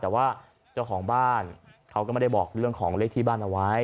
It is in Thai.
แต่ว่าเจ้าของบ้านเขาก็ไม่ได้บอกเรื่องของเลขที่บ้านเอาไว้